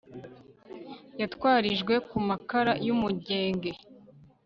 yatyarijwe ku makara y'umugenge